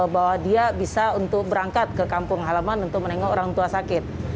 bahwa dia bisa untuk berangkat ke kampung halaman untuk menengok orang tua sakit